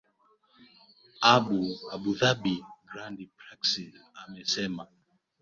abu dhabi grand prix amesema